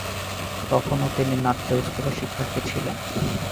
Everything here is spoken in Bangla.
তখনও তিনি নাট্য স্কুলের শিক্ষার্থী ছিলেন।